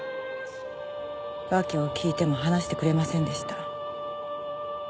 訳を訊いても話してくれませんでした。